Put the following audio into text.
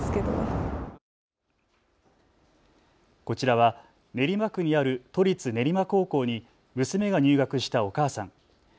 こちらは練馬区にある都立練馬高校に娘が入学したお母さん。